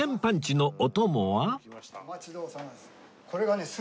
お待ちどおさまです。